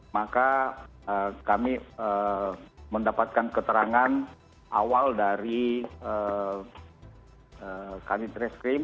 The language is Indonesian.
maka kami mendapatkan keterangan awal dari kalitres krim